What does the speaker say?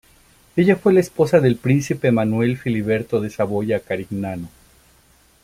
Ella fue la esposa del príncipe Manuel Filiberto de Saboya-Carignano.